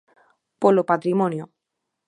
Polo patrimonio.